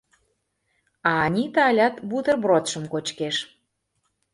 А Анита алят бутербродшым кочкеш.